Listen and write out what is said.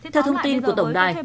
theo thông tin của tổng đài